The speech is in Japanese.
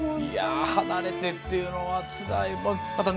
離れてっていうのはつらいな。